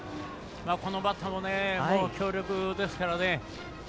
このバッターも強力ですからね。